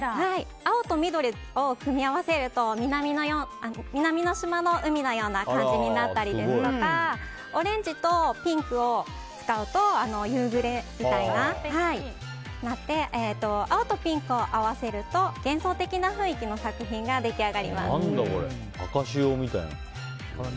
青と緑を組み合わせると南の島の海のような感じになったりですとかオレンジとピンクを使うと夕暮れみたいになって青とピンクを合わせると幻想的な雰囲気の作品が何だろう、赤潮みたいなの。